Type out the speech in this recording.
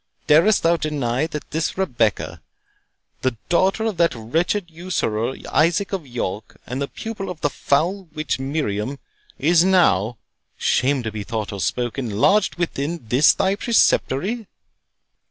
Darest thou deny that this Rebecca, the daughter of that wretched usurer Isaac of York, and the pupil of the foul witch Miriam, is now—shame to be thought or spoken!—lodged within this thy Preceptory?"